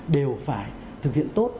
đều phải thực hiện tốt